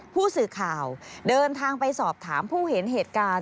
ผู้สื่อข่าวเดินทางไปสอบถามผู้เห็นเหตุการณ์